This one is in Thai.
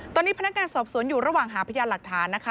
ตอนนี้พนักงานสอบสวนอยู่ระหว่างหาพยานหลักฐานนะคะ